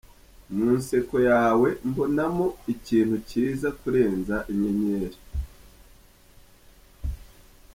Mu nseko yawe mbonamo ikintu cyiza kurenza inyenyeri.